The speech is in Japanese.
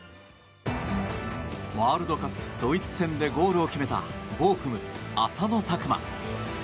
ワールドカップドイツ戦でゴールを決めたボーフム、浅野拓磨。